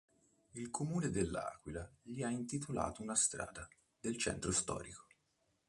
Il comune dell'Aquila gli ha intitolato una strada del centro storico.